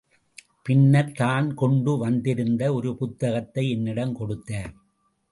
பின்னர், தான் கொண்டு வந்திருந்த ஒரு புத்தகத்தை என்னிடம் கொடுத்தார்.